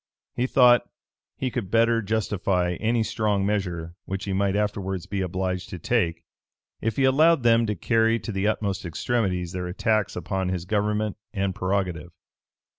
He thought that he could better justify any strong measure which he might afterwards be obliged to take, if he allowed them to carry to the utmost extremities their attacks upon his government and prerogative.